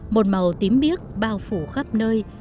một màu tím biếc bao phủ khắp nơi